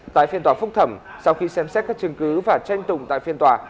tại phiên tòa phúc thẩm sau khi xem xét các chứng cứ và tranh tùng tại phiên tòa